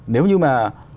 nếu như mà